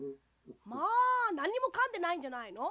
まあなんにもかんでないんじゃないの？